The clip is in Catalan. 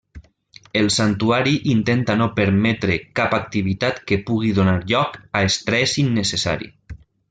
El santuari intenta no permetre cap activitat que pugui donar lloc a estrès innecessari.